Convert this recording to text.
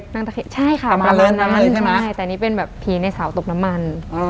นางตะเคียนใช่ค่ะประมาณนั้นใช่ไหมแต่นี่เป็นแบบผีในเสาตกน้ำมัน